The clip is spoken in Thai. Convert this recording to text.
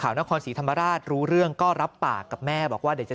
นครศรีธรรมราชรู้เรื่องก็รับปากกับแม่บอกว่าเดี๋ยวจะ